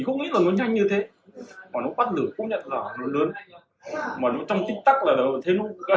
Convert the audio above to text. xin chào tạm biệt và hẹn gặp lại